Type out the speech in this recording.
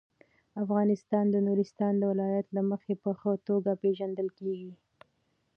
افغانستان د نورستان د ولایت له مخې په ښه توګه پېژندل کېږي.